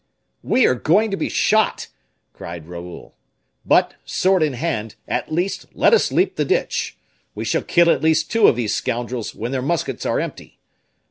"We are going to be shot!" cried Raoul; "but, sword in hand, at least, let us leap the ditch! We shall kill at least two of these scoundrels, when their muskets are empty."